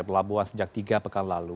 pelabuhan sejak tiga pekan lalu